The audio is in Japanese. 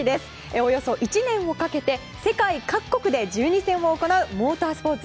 およそ１年をかけて世界各国で１２戦を行うモータースポーツ。